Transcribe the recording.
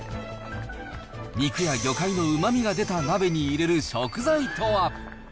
肉や魚介のうまみが出た鍋に入れる食材とは。